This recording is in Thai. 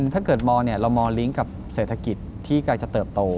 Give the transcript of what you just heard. ถ้าเกิดมเรามอร์ลิงก์กับเศรษฐกิจที่ไกลจะเติบโต